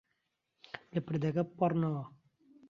لە پردەکە بپەڕنەوە.